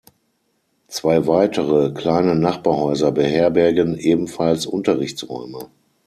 Zwei weitere kleine Nachbarhäuser beherbergen ebenfalls Unterrichtsräume.